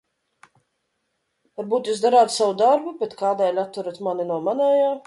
Varbūt jūs darāt savu darbu, bet kādēļ atturat mani no manējā?